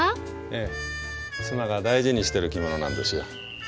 ええ妻が大事にしてる着物なんですよ。